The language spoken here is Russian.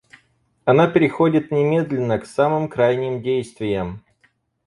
Она переходит немедленно к самым крайним действиям.